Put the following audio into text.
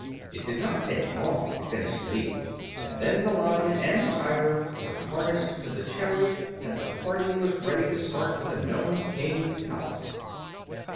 It did not take long to finish the meal, and then the Lion and the Tiger were harnessed to the chariot and the party was ready to start for the Nome King's Palace.